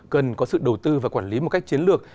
cần có sự đầu tư và quản lý một cách chiến lược